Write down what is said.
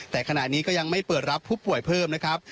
แต่ขณะนี้ก็ยังไม่เปิดรับผู้ป่วยเพิ่มนะครับ